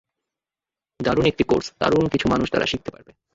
দারুণ একটি কোর্স, দারুণ কিছু মানুষ দ্বারা শিখতে পারবে।